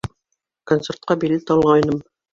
Концертҡа билет алғайным.